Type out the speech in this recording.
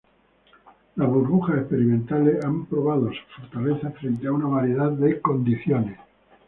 Las burbujas experimentales han probado su fortaleza frente a una variedad de condiciones.